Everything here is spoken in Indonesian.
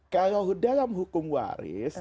kalau dalam hukum waris